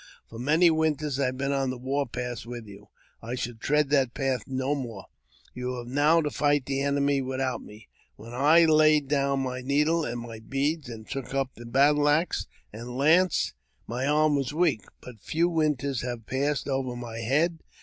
For many winters I have been on the war path with you ; I shall tread that path no more ; you have now to fight the enemy without me. When I laid down my needle and my beads, and took up the battle axe and the lance, my arm was weak ; but few winters had passed over my head.